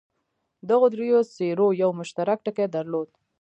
دغو دریو څېرو یو مشترک ټکی درلود.